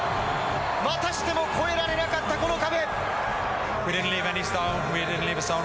またしても超えられなかった、この壁。